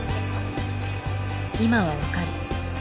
今はわかる。